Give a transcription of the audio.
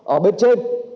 ở bên trên